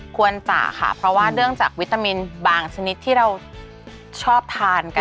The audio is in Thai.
จ่าค่ะเพราะว่าเนื่องจากวิตามินบางชนิดที่เราชอบทานกัน